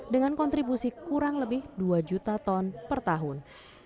dengan kontribusi kurang lebih dua juta ton per tahun